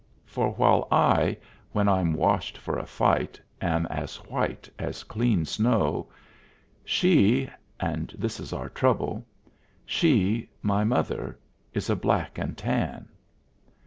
For while I, when I'm washed for a fight, am as white as clean snow, she and this is our trouble she, my mother, is a black and tan.